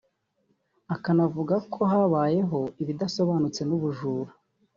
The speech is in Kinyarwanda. akanavuga ko habayeho ’ibidasobanutse n’ubujura’